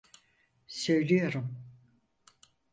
Söylüyorum.